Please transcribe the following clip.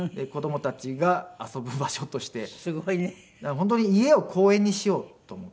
本当に家を公園にしようと思って。